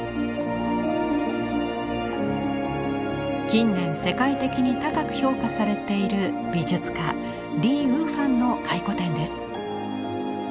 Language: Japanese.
近年世界的に高く評価されている美術家李禹煥の回顧展です。